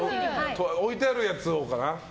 置いてあるやつをかな。